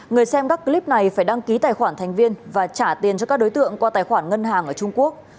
người xem các clip này phải đăng ký tài khoản thành viên và trả tiền cho các đối tượng qua tài khoản ngân hàng ở trung quốc